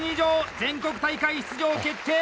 全国大会出場決定！